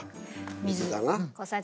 水だな。